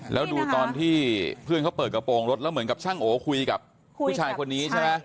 แล้วดูตอนที่เพื่อนเขาเปิดกระโปรงรถแล้วเหมือนกับช่างโอคุยกับผู้ชายคนนี้ใช่ไหม